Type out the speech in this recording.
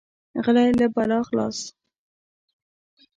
غلی، له بلا خلاص.